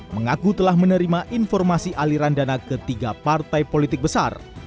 mengaku telah menerima informasi aliran dana ke tiga partai politik besar